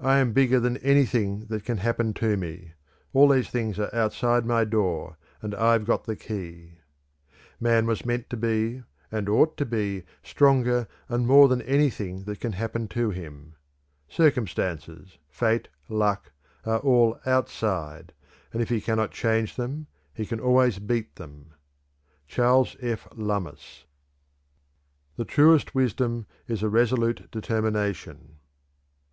_ "I am bigger than anything that can happen to me. All these things are outside my door, and I've got the key. Man was meant to be, and ought to be, stronger and more than anything that can happen to him. Circumstances, 'Fate,' 'Luck,' are all outside; and if he cannot change them, he can always beat them." Charles F. Lummis. "The truest wisdom is a resolute determination."